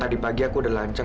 tapi maaf ya aku harus pergi